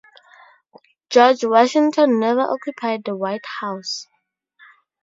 George Washington never occupied the White House.